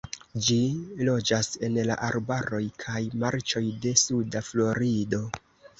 Ĝi loĝas en la arbaroj kaj marĉoj de suda Florido.